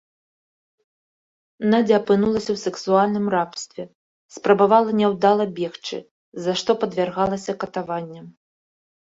Надзя апынулася ў сексуальным рабстве, спрабавала няўдала бегчы, за што падвяргалася катаванням.